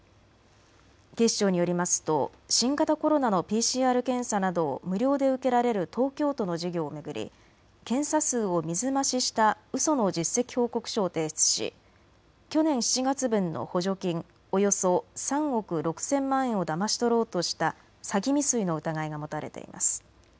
警視庁によりますと新型コロナのＰＣＲ検査などを無料で受けられる東京都の事業を巡り検査数を水増ししたうその実績報告書を提出し、去年７月分の補助金およそ３億６０００万円をだまし取ろうとした詐欺未遂の疑いが持たれています。